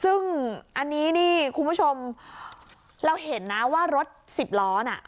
ซึ่งอันนี้นี่คุณผู้ชมเราเห็นนะว่ารถสิบล้อน่ะ